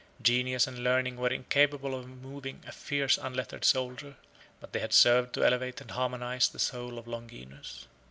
Genius and learning were incapable of moving a fierce unlettered soldier, but they had served to elevate and harmonize the soul of Longinus.